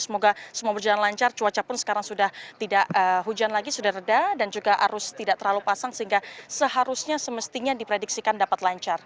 semoga semua berjalan lancar cuaca pun sekarang sudah tidak hujan lagi sudah reda dan juga arus tidak terlalu pasang sehingga seharusnya semestinya diprediksikan dapat lancar